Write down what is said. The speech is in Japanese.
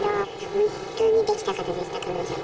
本当にできた方でした、彼女。